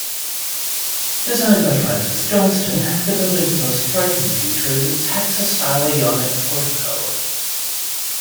Designed by Francis Johnston, the building's most striking feature is its hexastyle Ionic portico.